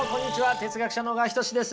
哲学者の小川仁志です。